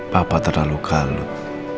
papa terlalu kalut